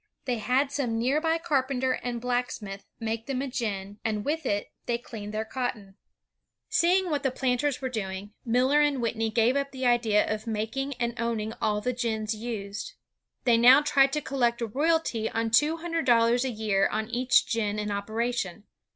They had some near by carpenter and blacksmith make them a gin, and with it they cleaned their cotton. Il8 INVENTIONS OF MANUFACTURE AND PRODUCTION Seeing what the planters were doing, Miller and Whitney gave up the idea of making and owning all the gins used. They now tried to collect a royalty of two hundred dol lars a year on each gin in operation.